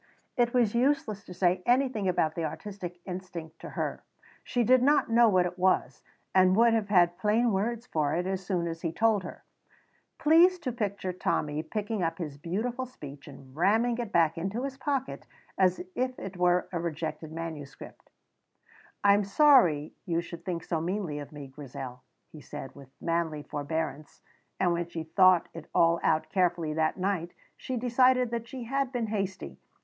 It was useless to say anything about the artistic instinct to her; she did not know what it was, and would have had plain words for it as soon as he told her. Please to picture Tommy picking up his beautiful speech and ramming it back into his pocket as if it were a rejected manuscript. "I am sorry you should think so meanly of me, Grizel," he said with manly forbearance, and when she thought it all out carefully that night she decided that she had been hasty.